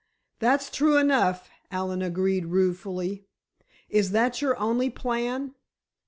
"That's true enough," Allen agreed, ruefully. "Is that your only plan?"